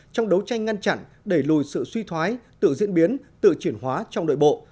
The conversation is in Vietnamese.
trong đấu tranh ngăn chặn đẩy lùi sự suy thoái tự diễn biến tự chuyển hóa trong nội bộ